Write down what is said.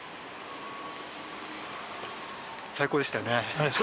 最高でしたね。